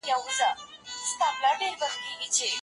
عاجزي د لوړ مقام ته د رسېدو لاره ده.